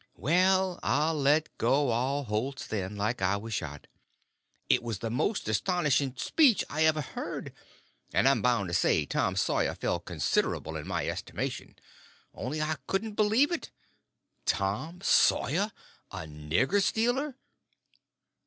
Well, I let go all holts then, like I was shot. It was the most astonishing speech I ever heard—and I'm bound to say Tom Sawyer fell considerable in my estimation. Only I couldn't believe it. Tom Sawyer a _nigger stealer!